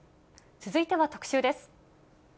続いては特集です。